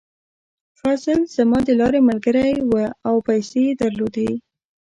فضل زما د لارې ملګری و او پیسې یې درلودې.